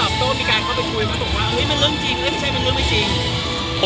เขาบอกว่าอุ้ยมันเรื่องจริงไม่ใช่มันเรื่องไม่จริง